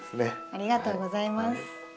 ありがとうございます。